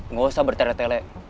nggak usah bertere tele